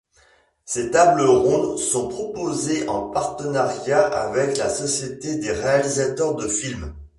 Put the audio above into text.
Ces tables rondes sont proposées en partenariat avec la Société des Réalisateurs de Films.